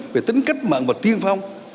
về tính cách mạng và tiên phong